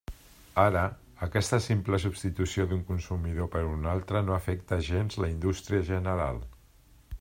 Ara, aquesta simple substitució d'un consumidor per un altre no afecta gens la indústria general.